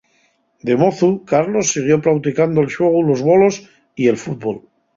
De mozu, Carlos siguió prauticando'l xuegu los bolos y el fútbol.